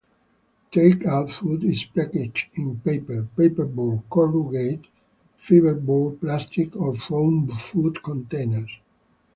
Take-out food is packaged in paper, paperboard, corrugated fiberboard, plastic, or foam food containers.